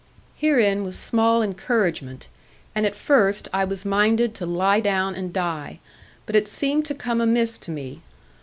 Herein was small encouragement; and at first I was minded to lie down and die; but it seemed to come amiss to me.